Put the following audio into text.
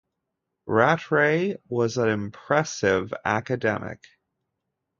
Rattray was an impressive academic.